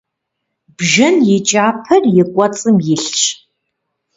Бжэн и кӏапэр и кӏуэцӏым илъщ.